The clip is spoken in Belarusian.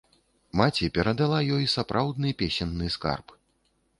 Маці перадала ёй сапраўдны песенны скарб.